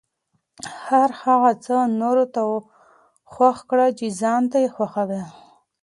هر هغه څه نورو ته خوښ کړه چې ځان ته یې خوښوې.